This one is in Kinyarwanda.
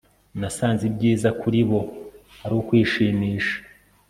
nasanze ibyiza kuri bo ari ukwishimisha